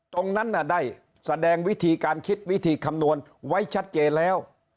ตรงนั้นได้แสดงวิธีการคิดวิธีคำนวณไว้ชัดเจนแล้ว